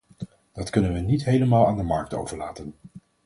Dat kunnen we niet helemaal aan de markt overlaten.